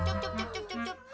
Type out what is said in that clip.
cukup cukup cukup